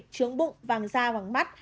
trướng bụng vàng da vàng mắt